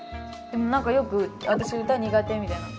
でもなんかよく「私歌苦手」みたいな。